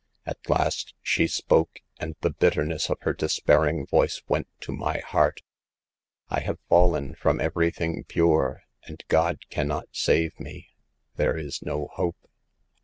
' At last she spoke, and the bitterness of her despairing voice went to my heart. 6 1 have fallen from everything pure, and God can not save me ; there is no hope.'